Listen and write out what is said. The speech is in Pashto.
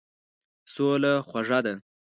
سوله خوږه ده.